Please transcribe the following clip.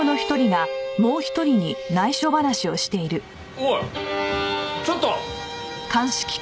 おいちょっと！